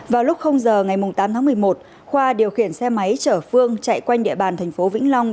vào lúc giờ ngày tám tháng một mươi một khoa điều khiển xe máy chở phương chạy quanh địa bàn thành phố vĩnh long